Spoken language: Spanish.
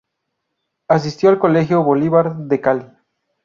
Asistió al Colegio Bolívar de Cali.